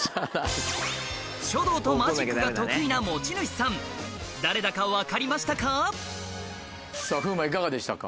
書道とマジックが得意な持ち主さん風磨いかがでしたか？